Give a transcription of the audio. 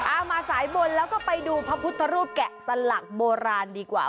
เอามาสายบนแล้วก็ไปดูพระพุทธรูปแกะสลักโบราณดีกว่า